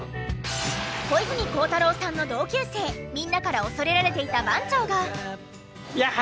小泉孝太郎さんの同級生みんなから恐れられていた番長が。